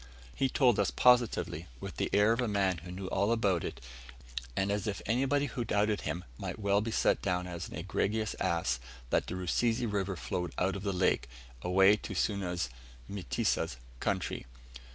He told us positively, with the air of a man who knew all about it, and as if anybody who doubted him might well be set down as an egregious ass, that the Rusizi River flowed out of the lake, away to Suna's (Mtesa's) country.